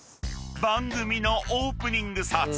［番組のオープニング撮影］